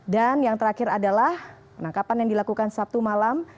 dan yang terakhir adalah penangkapan yang dilakukan sabtu malam